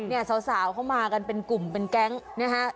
เนี่ยสาวเข้ามากันเป็นกลุ่มเป็นแก๊งนะฮะ